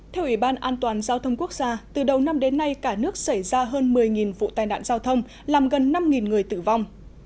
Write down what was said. theo ủy ban an toàn giao thông quốc gia từ đầu năm đến nay cả nước xảy ra hơn một mươi vụ tai nạn giao thông làm gần năm người tử vong